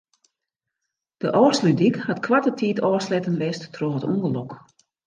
De Ofslútdyk hat koarte tiid ôfsletten west troch it ûngelok.